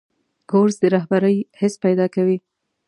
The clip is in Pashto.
کورس د رهبرۍ حس پیدا کوي.